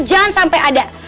jangan sampai ada